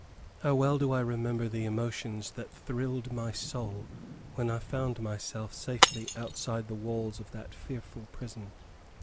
How well do I remember the emotions that thrilled my soul when I found myself safely outside the walls of that fearful prison!